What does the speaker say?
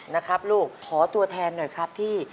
นะครับลูกขอตัวแทนหน่อยครับที่